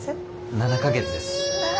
７か月です。